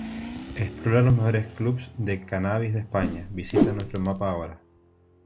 Explora los mejores clubs de cannabis de españa. Visita nuestro mapa ahora!!!